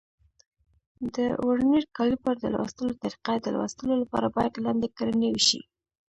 د ورنیر کالیپر د لوستلو طریقه: د لوستلو لپاره باید لاندې کړنې وشي.